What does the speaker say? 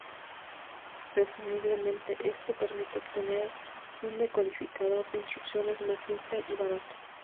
Presumiblemente esto permite obtener un decodificador de instrucciones más simple y barato.